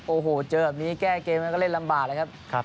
โอ้โหเจอแบบนี้แก้เกมกันก็เล่นลำบากแล้วครับ